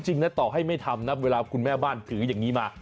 จริงนะต่อให้ไม่ทำนะเวลาคุณแม่บ้านถืออย่างนี้มา